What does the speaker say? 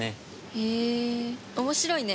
へえ、面白いね。